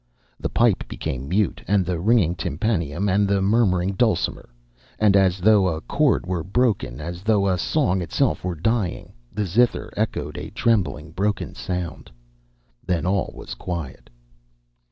The pipe became mute, and the ringing tympanum and the murmuring dulcimer; and as though a chord were broken, as though song itself were dying, the zither echoed a trembling broken sound. Then all was quiet.